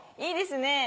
いいですね。